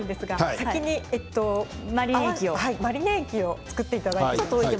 先にマリネ液を作っていただきます。